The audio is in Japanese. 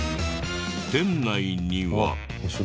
店内には。